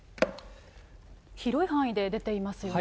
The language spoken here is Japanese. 広い範囲で出ていますよね。